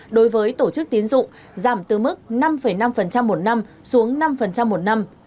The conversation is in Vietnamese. đối với tổ chức tiến dụng giảm từ mức năm năm một năm xuống năm một năm